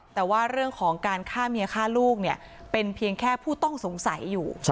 แต่ว่าเรื่องของการฆ่าเมียฆ่าลูกเนี่ยเป็นเพียงแค่ผู้ต้องสงสัยอยู่